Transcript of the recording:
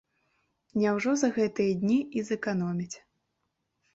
Няўжо за гэтыя дні і зэканомяць.